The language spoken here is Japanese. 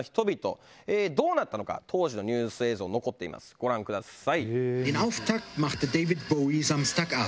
ご覧ください。